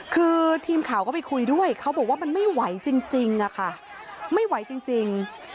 คือทีมข่าวก็ไปคุยด้วยเขาบอกว่ามันไม่ไหวจริงอะค่ะไม่ไหวจริง